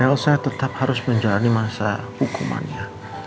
lc tetap harus menjalani masa hukumannya